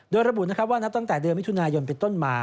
โดยระบุนะครับว่านักตั้งแต่เดือนวิทยุนายนไปต้นมา